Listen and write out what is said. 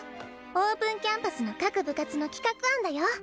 オープンキャンパスの各部活の企画案だよ。